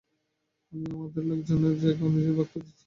আমিও আমার লোকদের জায়গা অনুযায়ী ভাগ করে দিচ্ছি।